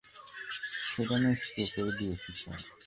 সেটা নিষ্ক্রিয় করে দিয়েছি, স্যার।